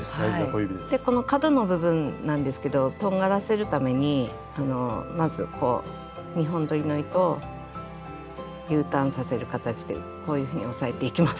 でこの角の部分なんですけどとんがらせるためにまずこう２本どりの糸をＵターンさせる形でこういうふうに押さえていきます。